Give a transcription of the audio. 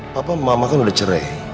papa mama kan udah cerai